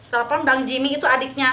telepon bang jimmy itu adiknya